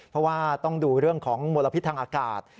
เพราะว่าต้องดูเรื่องของมลพิษทางอากาศ